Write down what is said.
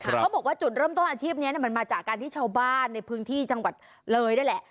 เขาบอกว่าจุดเริ่มต้นอาชีพนี้มันมาจากการที่ชาวบ้านในพื้นที่จังหวัดเลยนี่แหละ